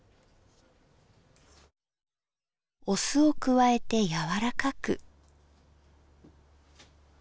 お酢を加えて柔らかく。